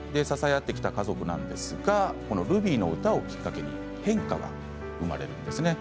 支え合ってきた家族なんですがルビーの歌をきっかけに変化が生まれるんです。